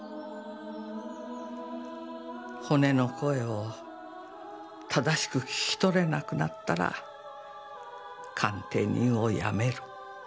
骨の声を正しく聞き取れなくなったら鑑定人を辞める。